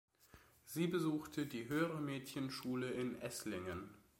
Sie besuchte die Höhere Mädchenschule in Esslingen.